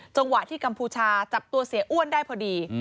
จังหวะที่กัมพูชาจับตัวเสียอ้วนได้พอดี